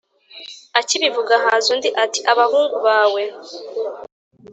Akibivuga haza undi ati Abahungu bawe